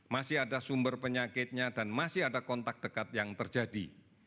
masih ada sumber penyakitnya dan masih ada kontak dekat yang terjadi